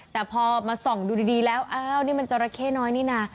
แต่พอมาส่องดูดีแล้วอ้าวนี่มันจราเข้น้อยนี่นะ